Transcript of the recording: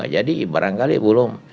jadi barangkali belum